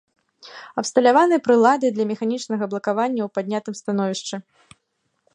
Абсталяваны прыладай для механічнага блакавання ў паднятым становішчы.